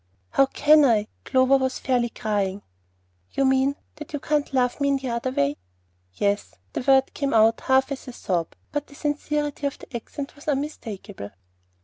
"How can I?" Clover was fairly crying. "You mean that you can't love me in the other way." "Yes." The word came out half as a sob, but the sincerity of the accent was unmistakable.